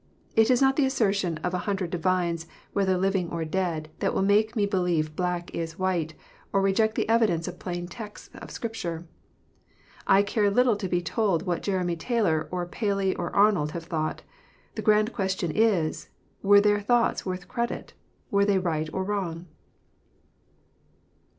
It is not the assertion of a hundred divines, whether living or dead, that will make me believe black is white, or reject the evidence of plain texts of Scripture. I care little to be told what Jeremy Taylor, or Paley, or Arnold have thought. The grand question is, " Were their thoughts worth credit ? were they right or wrong